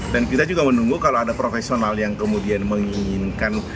dan kita juga menunggu kalau ada profesional yang kemudian menginginkan